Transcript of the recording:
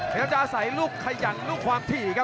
เดี๋ยวก็จะอาศัยลุกขยังลุกความถี่ครับ